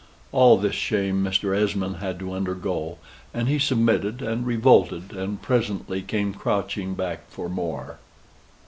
All this shame Mr. Esmond had to undergo; and he submitted, and revolted, and presently came crouching back for more.